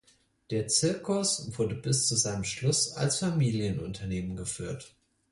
Der Zirkus wurde bis zu seinem Schluss als Familienunternehmen geführt.